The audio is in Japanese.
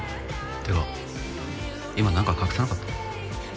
てか今何か隠さなかった？